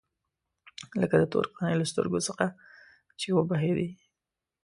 لکه د تور قانع له سترګو څخه چې وبهېدې.